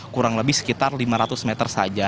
kurang lebih sekitar lima ratus meter saja